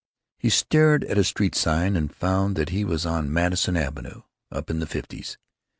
He stared at a street sign and found that he was on Madison Avenue, up in the Fifties.